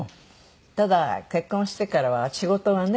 ただ結婚してからは仕事がね